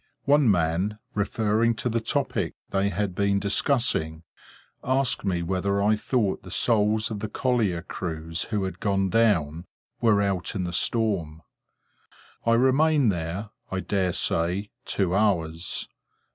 One man, referring to the topic they had been discussing, asked me whether I thought the souls of the collier crews who had gone down, were out in the storm? I remained there, I dare say, two hours.